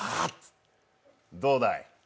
どうだい？